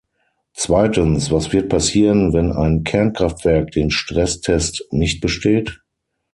Zweitens, was wird passieren, wenn ein Kernkraftwerk den Stresstest nicht besteht?